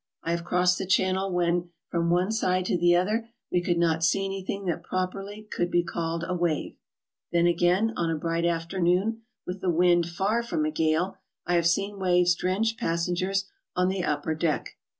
I have crossed the channel when from one side HOW TO TRAVEL ABROAD. 71 to the other we could not see anything that properly could be called a wave. Then again, on a bright afternoon, with the wind far from a gale, I 'have seen waves drench passen gers on the upper deck.